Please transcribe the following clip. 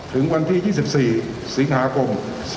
ถึงวันที่๒๔สิงหาคม๒๕๖